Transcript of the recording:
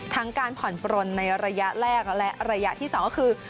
การผ่อนปลนในระยะแรกและระยะที่๒ก็คือ